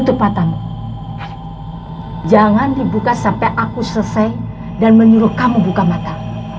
tepatanmu jangan dibuka sampai aku selesai dan menyuruh kamu buka mata